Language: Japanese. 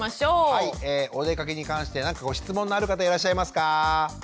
おでかけに関して何か質問のある方いらっしゃいますか？